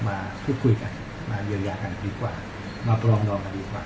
มาพูดคุยกันมาเยียวยากันดีกว่ามาปรองดองกันดีกว่า